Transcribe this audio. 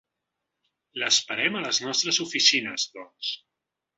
L'esperem a les nostres oficines, doncs.